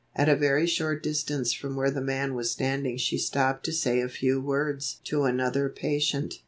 At a very short distance from where the man was standing she stopped to say a few words to another patient.